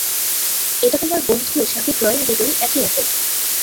এটা তোমার বন্ধু স্বাতী ড্রয়িং দুটোই একই রকম।